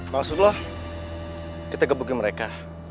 maksud lo kita gebukin mereka